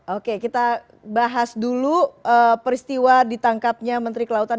oke kita bahas dulu peristiwa ditangkapnya menteri kelautan